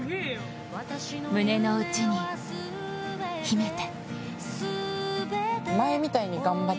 胸の内に秘めて。